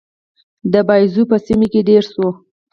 د باییزو په سیمه کې دېره شو.